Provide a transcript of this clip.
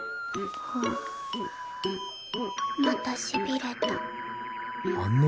またしびれた。